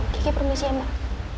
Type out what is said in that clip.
kiki permisi ya mbak